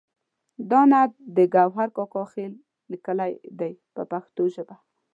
دا نعت د ګوهر کاکا خیل لیکلی دی په پښتو ژبه.